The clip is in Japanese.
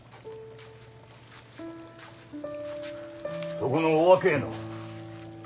そこのお若えの。